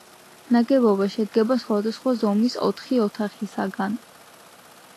ნაგებობა შედგება სხვადასხვა ზომის ოთხი ოთახისაგან.